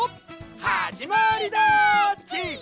はじまりだっち！